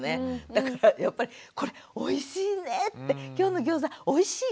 だからやっぱり「これおいしいね」って「今日のギョーザおいしい？